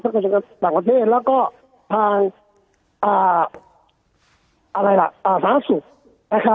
ทั้งกันจากต่างประเทศแล้วก็ทางสหรัฐศูนย์นะครับ